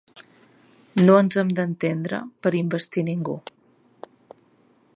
No ens hem d’entendre per investir ningú.